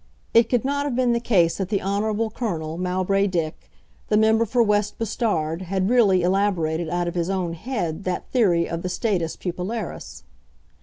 It could not have been the case that the Hon. Colonel Mowbray Dick, the Member for West Bustard, had really elaborated out of his own head that theory of the status pupillaris.